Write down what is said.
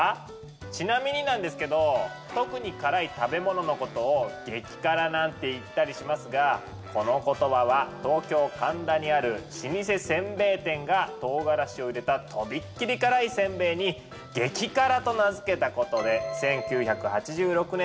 ちなみになんですけど特に辛い食べ物のことを「激辛」なんて言ったりしますがこの言葉は東京・神田にある老舗煎餅店がとうがらしを入れたとびっきり辛い煎餅に「激辛」と名付けたことで１９８６年の新語として受賞したんですね。